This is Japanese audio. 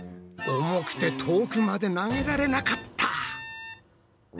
重くて遠くまで投げられなかった。